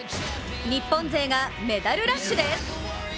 日本勢がメダルラッシュです。